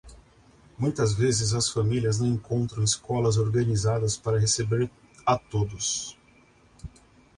muitas vezes as famílias não encontram escolas organizadas para receber a todos